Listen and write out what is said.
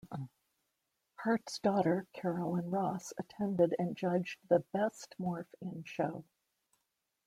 Hart's daughter, Carolyn Ross, attended and judged the "Best Morph in Show".